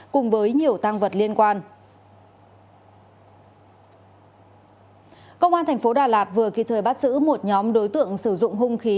công an thành phố đà lạt vừa kịp thời bắt giữ một nhóm đối tượng sử dụng hung khí